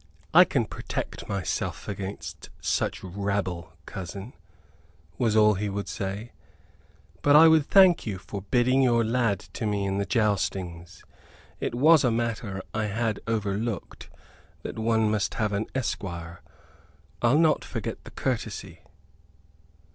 "I can protect myself against such rabble, cousin," was all he would say. "But I would thank you for bidding your lad to me in the joustings; it was a matter I had overlooked that one must have an esquire. I'll not forget the courtesy."